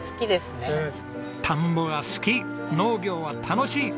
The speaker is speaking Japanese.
田んぼが好き農業は楽しい！